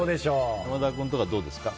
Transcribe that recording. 山田君とかどうですか？